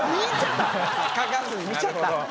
書かずに見ちゃった？